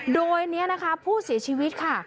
โดยนี้นะคะผู้เสียชีวิตค่ะ